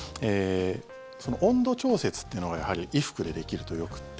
温度調節っていうのがやはり衣服でできるとよくて。